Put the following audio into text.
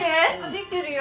出来てるよ。